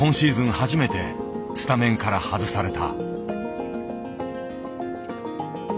初めてスタメンから外された。